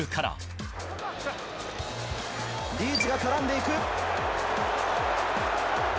リーチが絡んでいく。